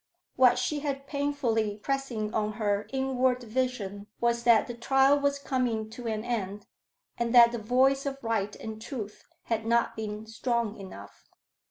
What she had painfully pressing on her inward vision was that the trial was coming to an end, and that the voice of right and truth had not been strong enough.